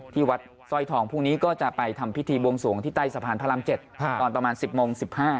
ที่วัดสร้อยทองพรุ่งนี้ก็จะไปทำพิธีบวงสวงที่ใต้สะพานพระราม๗ตอนประมาณ๑๐โมง๑๕